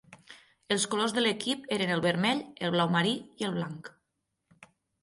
Els colors de l'equip eren el vermell, el blau marí i el blanc.